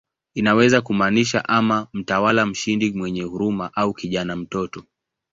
Inaweza kumaanisha ama "mtawala mshindi mwenye huruma" au "kijana, mtoto".